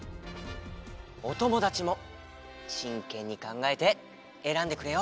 おともだちもしんけんにかんがえてえらんでくれよ。